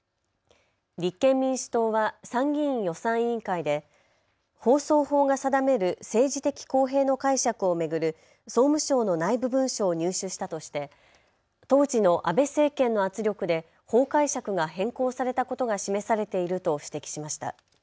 立憲民主党は参議院予算委員会で放送法が定める政治的公平の解釈を巡る総務省の内部文書を入手したとして当時の安倍政権の圧力で法解釈が変更されたことが示されていると指摘しました。